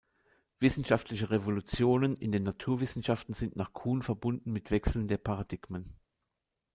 Wissenschaftliche Revolutionen in den Naturwissenschaften sind nach Kuhn verbunden mit Wechseln der Paradigmen.